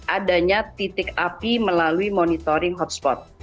adanya titik api melalui monitoring hotspot